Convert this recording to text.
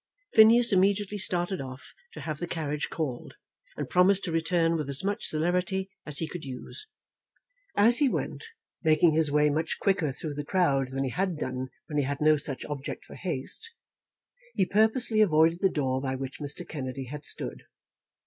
Phineas immediately started off to have the carriage called, and promised to return with as much celerity as he could use. As he went, making his way much quicker through the crowd than he had done when he had no such object for haste, he purposely avoided the door by which Mr. Kennedy had stood.